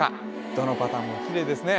どのパターンもキレイですね